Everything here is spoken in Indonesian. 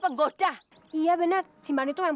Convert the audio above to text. penggoda iya benar simpan itu yang